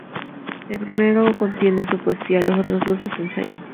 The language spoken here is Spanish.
El primero contiene su poesía; los otros dos sus ensayos.